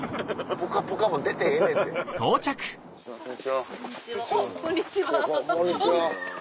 こんにちは。